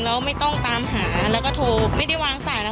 แล้วไม่ต้องตามหาแล้วก็โทรไม่ได้วางสายแล้ว